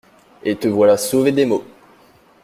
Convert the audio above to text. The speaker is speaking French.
Et te voilà sauvé des maux!